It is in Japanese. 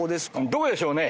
どこでしょうね？